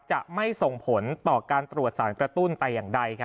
จะไม่ส่งผลต่อการตรวจสารกระตุ้นแต่อย่างใด